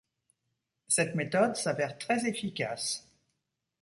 Cette méthode s'avère très efficace.